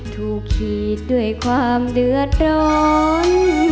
ขีดด้วยความเดือดร้อน